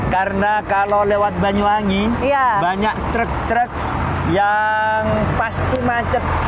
karena kalau lewat banyuangi banyak truk truk yang pasti mancet